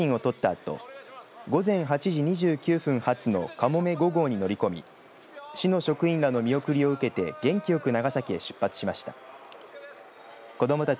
あと午前８時２９分発のかもめ５号に乗り込み市の職員らの見送りを受けて元気よく長崎へ出発しました。